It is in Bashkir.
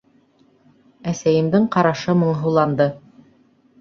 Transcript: Әсәйемдең ҡарашы моңһоуланды: